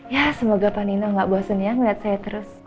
ya semoga pak nino gak bosen ya ngeliat saya terus